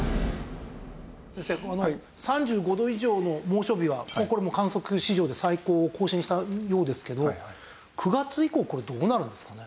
先生３５度以上の猛暑日はこれもう観測史上で最高を更新したようですけど９月以降これどうなるんですかね？